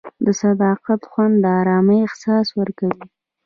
د صداقت خوند د ارامۍ احساس ورکوي.